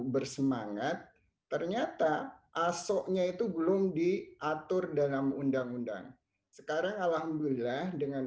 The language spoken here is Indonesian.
bersemangat ternyata asoknya itu belum diatur dalam undang undang sekarang alhamdulillah dengan